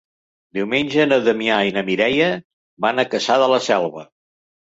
Diumenge na Damià i na Mireia van a Cassà de la Selva.